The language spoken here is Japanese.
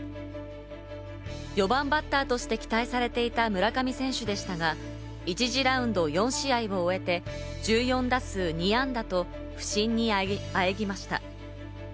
４番バッターとして期待されていた村上選手でしたが、１次ラウンド４試合を終えて１４打数２安打と不振にあえぎました。